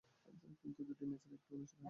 কিন্তু দুটি ম্যাচের একটিও অনুষ্ঠিত হয়নি।